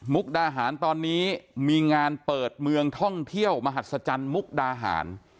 ดาหารตอนนี้มีงานเปิดเมืองท่องเที่ยวมหัศจรรย์มุกดาหาร